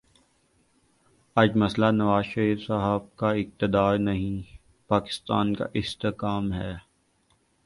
آج مسئلہ نواز شریف صاحب کا اقتدار نہیں، پاکستان کا استحکام ہے۔